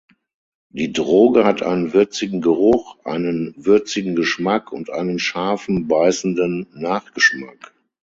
Die Droge hat einen würzigen Geruch, einen würzigen Geschmack und einen scharfen, beißenden Nachgeschmack.